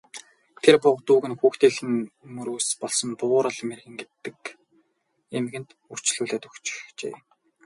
Тэр буга дүүг нь хүүхдийн мөрөөс болсон Буурал мэргэн гэдэг эмгэнд үрчлүүлээд өгчихжээ.